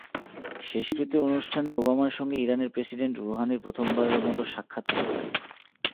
শেষকৃত্য অনুষ্ঠানে ওবামার সঙ্গে ইরানের প্রেসিডেন্ট রুহানির প্রথমবারের মতো সাক্ষাত্ হতে পারে।